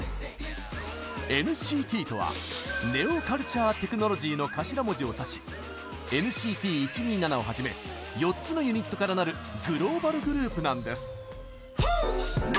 ＮＣＴとは「ネオカルチャーテクノロジー」の頭文字を指しＮＣＴ１２７をはじめ４つのユニットからなるグローバルグループなんです。